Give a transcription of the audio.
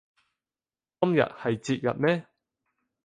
今日係節日咩